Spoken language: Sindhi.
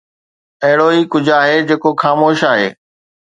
اهڙو ئي ڪجهه آهي جيڪو خاموش آهي